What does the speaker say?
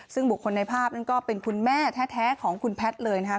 ซึ่งบุคคลในภาพนั้นก็เป็นคุณแม่แท้ของคุณแพทย์เลยนะครับ